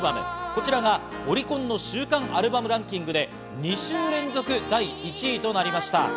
こちらがオリコンの週間アルバムランキングで２週連続、第１位となりました。